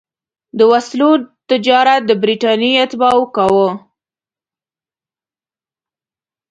د وسلو تجارت برټانیې اتباعو کاوه.